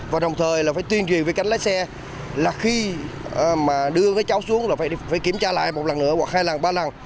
và đồng thời là phải tuyên truyền về cách lái xe là khi mà đưa cái cháu xuống là phải kiểm tra lại một lần nữa hoặc hai lần ba lần